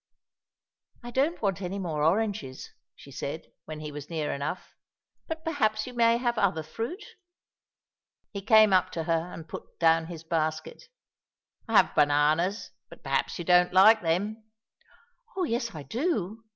"I don't want any more oranges," she said, when he was near enough, "but perhaps you may have other fruit?" He came up to her and put down his basket. "I have bananas, but perhaps you don't like them?" "Oh, yes, I do!"